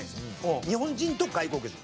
日本人と外国人。